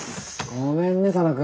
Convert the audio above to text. ごめんね佐野君。